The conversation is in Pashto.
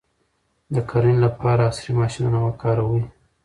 د کرنې لپاره عصري ماشینونه وکاروئ.